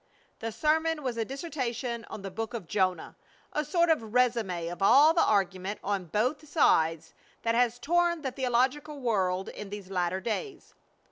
The sermon was a dissertation on the Book of Jonah, a sort of résumé of all the argument, on both sides, that has torn the theological world in these latter days.